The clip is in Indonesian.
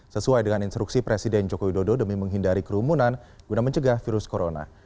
sesuai dengan instruksi presiden joko widodo demi menghindari kerumunan guna mencegah virus corona